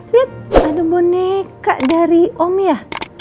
lihat ada boneka dari om ya